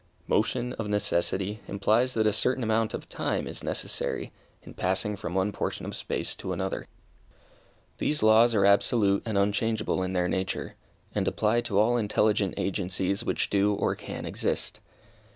Motion, of necessity, implies that a certain amount of time is necessary, in passing from one portion of space to another. These laws are absolute and unchangeable in their nature, and apply to all intelligent agencies which do or can exist.